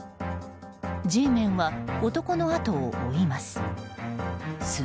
Ｇメンは男のあとを追います。